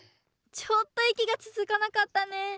ちょっといきがつづかなかったね。